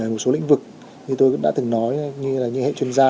ở một số lĩnh vực như tôi cũng đã từng nói như là những hệ chuyên gia